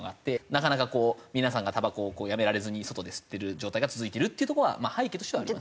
なかなかこう皆さんがたばこをやめられずに外で吸ってる状態が続いてるっていうとこは背景としてはあります。